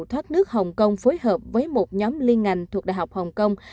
thoát nước hồng kông phối hợp với một nhóm liên ngành thuộc đại học hồng kông